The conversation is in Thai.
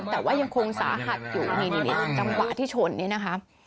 แต่ว่ายังคงสาหัสอยู่ในจำบาดที่ชนนะคะ